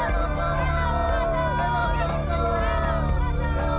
sampai jumpa di cerita kedua